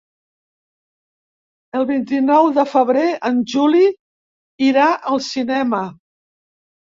El vint-i-nou de febrer en Juli irà al cinema.